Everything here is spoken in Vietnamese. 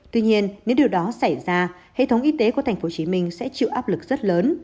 tuy nhiên nếu điều đó xảy ra hệ thống y tế của tp hcm sẽ chịu áp lực rất lớn